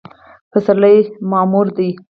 پسرلی معمور دی